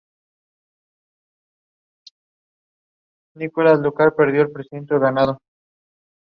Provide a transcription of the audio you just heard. Kellner e.a.